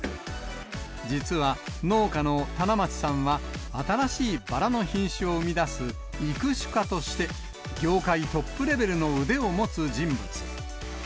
実は農家の棚町さんは、新しいバラの品種を生み出す育種家として、業界トップレベルの腕を持つ人物。